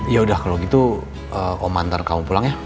yaudah kalau gitu omah ntar kamu pulang ya